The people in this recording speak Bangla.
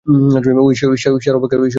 ঈশ্বর অপেক্ষাও ঈশ্বরের নাম বড়।